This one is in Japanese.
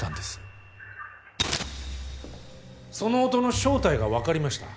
その音の正体が分かりました。